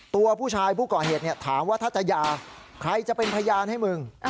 ตัวผู้ชายผู้ก่อเหตุถามว่าถ้าจะหย่าใครจะเป็นพยานให้มึง